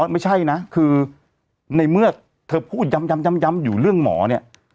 ไม่ใช่นะคือในเมื่อเธอพูดย้ำอยู่เรื่องหมอเนี่ย